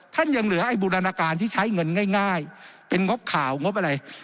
ยังเหลือไอ้บูรณาการที่ใช้เงินง่ายเป็นงบข่าวงบอะไร